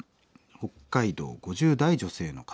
北海道５０代女性の方。